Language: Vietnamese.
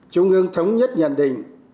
trung ương thống nhất nhận định